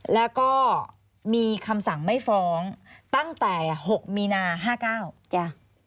แล้วก็มีคำสั่งไม่ฟ้องตั้งแต่๖มีนา๕๙จ้ะ